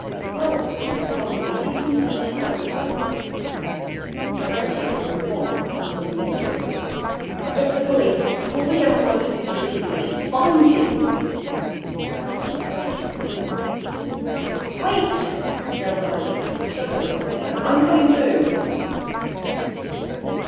"Well, Mr. Follansby, he was in such a terrible hurry " The manager gave him a long, unbelieving look. "Get the police! Call the General Motors Security Division! Find him!" Haskins raced for the door. "Wait!" yelled the manager, struggling into a raincoat. "I'm coming, too."